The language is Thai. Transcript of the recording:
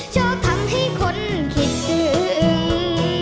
ชอบทำให้คนคิดซึ้ง